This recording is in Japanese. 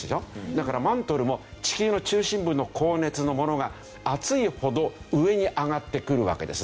だからマントルも地球の中心部の高熱のものが熱いほど上に上がってくるわけですね。